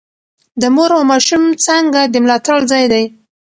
د مور او ماشوم څانګه د ملاتړ ځای دی.